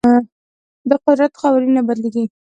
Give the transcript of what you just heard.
د قدرت قوانین نه بدلیږي.